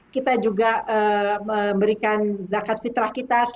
kita juga memberikan zakat fitrah kita